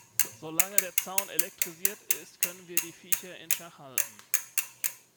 Solange der Zaun elektrisiert ist, können wir die Viecher in Schach halten.